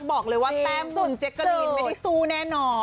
บอกเลยว่าแต่มตุ่มเจ็คกรีซไม่ได้ซื่อแน่นอน